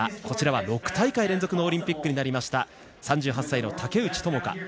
こちらは６大会連続のオリンピックとなった３８歳の竹内智香。